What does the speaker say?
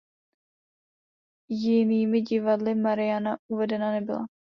Jinými divadly "Mariana" uvedena nebyla.